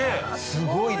すごいね。